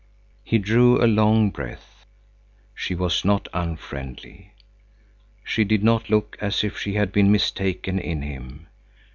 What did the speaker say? He drew along breath. She was not unfriendly. She did not look as if she had been mistaken in him.